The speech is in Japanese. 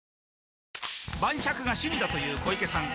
晩酌が趣味だという小池さん